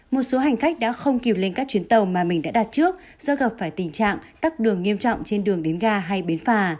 một số hành khách đã không kịp lên các chuyến tàu mà mình đã đặt trước do gặp phải tình trạng tắt đường nghiêm trọng trên đường đến ga hay bến phà